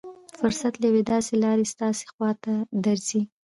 فرصت له يوې داسې لارې ستاسې خوا ته درځي.